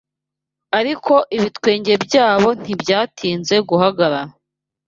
ariko ibitwenge byabo ntibyatinze guhagarara